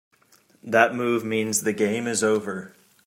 That move means the game is over.